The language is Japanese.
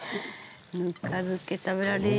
ぬか漬け食べられるぞー。